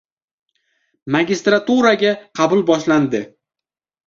Magistraturaga qabul boshlandi